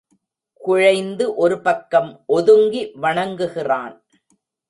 குழைந்து ஒரு பக்கம் ஒதுங்கி வணங்குகிறான்.